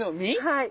はい。